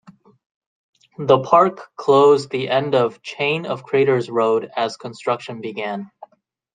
The park closed the end of Chain of Craters Road as construction began.